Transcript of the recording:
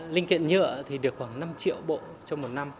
linh kiện nhựa thì được khoảng năm triệu bộ trong một năm